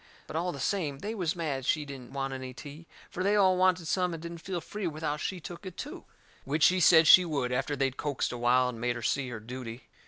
But all the same they was mad she said she didn't want any tea, for they all wanted some and didn't feel free without she took it too. Which she said she would after they'd coaxed a while and made her see her duty.